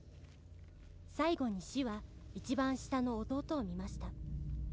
「最後に死は一番下の弟を見ました」